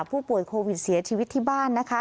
ผู้ป่วยโควิดเสียชีวิตที่บ้านนะคะ